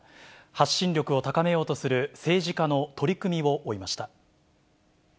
発信力を高めようとする政治家の取り組みを追いました。